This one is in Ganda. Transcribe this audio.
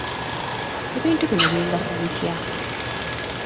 Ebintu bino bingasa bitya?